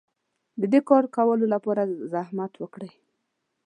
د دې کار کولو لپاره زحمت وکړئ.